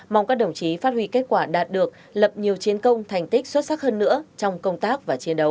mong các đồng chí phát huy kết quả đạt được lập nhiều chiến công thành tích xuất sắc hơn nữa trong công tác và chiến đấu